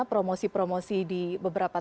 promosi promosi di beberapa